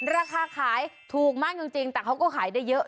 ราคาขายถูกมากจริงแต่เขาก็ขายได้เยอะ